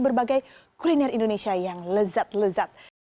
berbagai kuliner indonesia yang lezat lezat